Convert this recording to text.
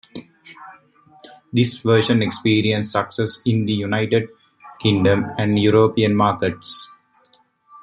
This version experienced success in the United Kingdom and European markets.